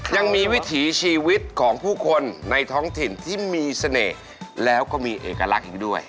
วิถีชีวิตของผู้คนในท้องถิ่นที่มีเสน่ห์แล้วก็มีเอกลักษณ์อีกด้วย